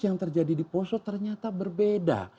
yang terjadi di poso ternyata berbeda